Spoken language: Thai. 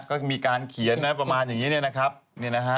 ก็มีการเขียนนะประมาณอย่างนี้เนี่ยนะครับเนี่ยนะฮะ